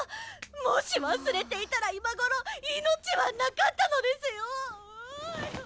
もし忘れていたら今頃命はなかったのですよ！